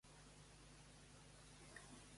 Qui narra una tradició tebana sobre el riu Cefís?